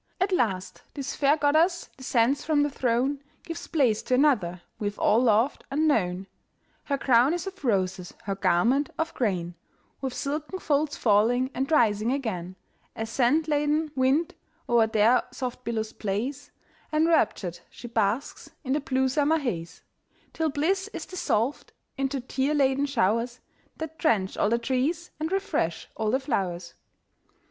At last this fair goddess descends from the throne, Gives place to another we've all loved and known. Her crown is of roses, her garment of grain, With silken folds falling and rising again, As scent laden wind o'er their soft billows plays; Enraptured, she basks in the blue summer haze, Till bliss is dissolved into tear laden showers, That drench all the trees and refresh all the flowers.